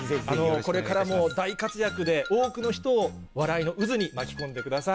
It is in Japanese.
これからもう、大活躍で多くの人を笑いの渦に巻き込んでください。